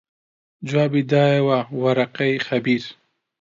جوابی دایەوە وەرەقەی خەبیر